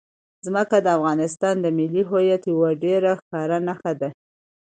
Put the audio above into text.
ځمکه د افغانستان د ملي هویت یوه ډېره ښکاره نښه ده.